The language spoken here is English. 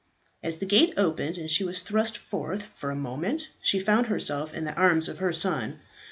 As the gate opened and she was thrust forth, for a moment she found herself in the arms of her son.